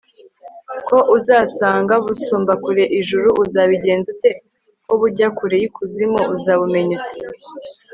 ko uzasanga busumba kure ijuru, uzabigenza ute? ko bujya kure y'ikuzimu, uzabumenya ute